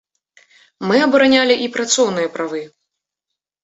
Мы абаранялі і працоўныя правы.